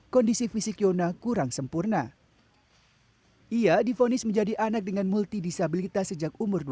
kondisi fisik ona kurang sempurna ia difonis menjadi anak dengan multi disabilitas sejak umur